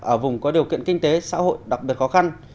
ở vùng có điều kiện kinh tế xã hội đặc biệt khó khăn